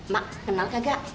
mak kenal kagak